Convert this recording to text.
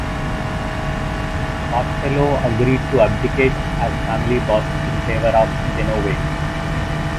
Costello agreed to abdicate as family boss in favor of Genovese.